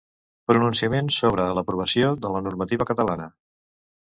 Pronunciament sobre l'aprovació de la normativa catalana.